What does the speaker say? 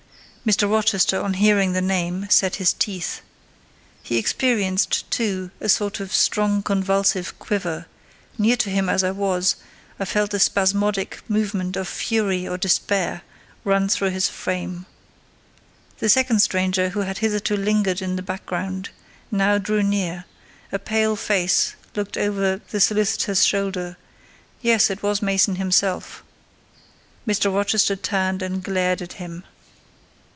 Mr. Rochester, on hearing the name, set his teeth; he experienced, too, a sort of strong convulsive quiver; near to him as I was, I felt the spasmodic movement of fury or despair run through his frame. The second stranger, who had hitherto lingered in the background, now drew near; a pale face looked over the solicitor's shoulder—yes, it was Mason himself. Mr. Rochester turned and glared at him.